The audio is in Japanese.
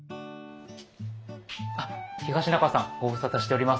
東仲さんご無沙汰しております。